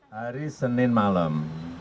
hari senin malam